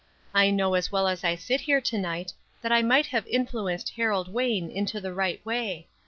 I know as well as I sit here to night that I might have influenced Harold Wayne into the right way.